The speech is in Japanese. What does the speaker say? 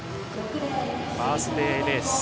バースデーレース